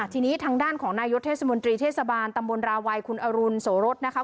ที่นี้ทางด้านของนายยทศมเทศบาลตำบลราวัยครูนอารุณเหสาสส